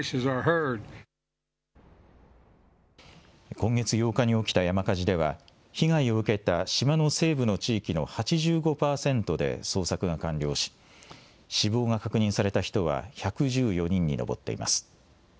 今月８日に起きた山火事では、被害を受けた島の西部の地域の８５％で捜索が完了し、死亡が確認された人は１１４人に上っています。